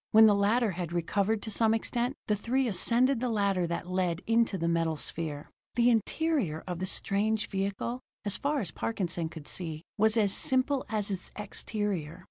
When the latter had recovered to some extent, the three ascended the ladder that led into the metal sphere. The interior of the strange vehicle, as far as Parkinson could see, was as simple as its exterior.